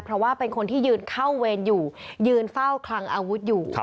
เพราะว่าเป็นคนที่ยืนเข้าเวรอยู่ยืนเฝ้าคลังอาวุธอยู่